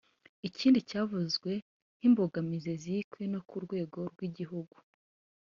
Ikindi cyavuzwe nk’imbogamizi kizwi no ku rwego rw’igihugu